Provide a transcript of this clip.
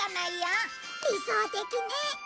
理想的ね！